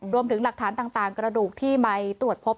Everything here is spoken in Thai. รวมถึงหลักฐานต่างกระดูกที่ไมค์ตรวจพบ